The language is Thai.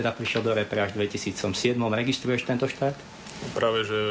ดีคิดว่าถ้าจัดการชาติกีญิยังไม่อยู่กับเราเหรอ